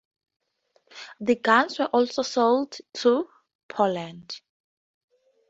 The guns were also sold to Poland.